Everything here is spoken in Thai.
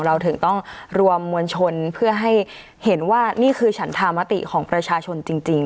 เราถึงต้องรวมมวลชนเพื่อให้เห็นว่านี่คือฉันธรรมติของประชาชนจริง